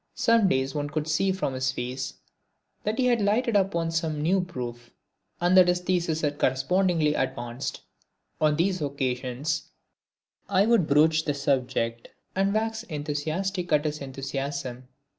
Some days one could see from his face that he had lighted upon some new proof, and that his thesis had correspondingly advanced. On these occasions I would broach the subject, and wax enthusiastic at his enthusiasm.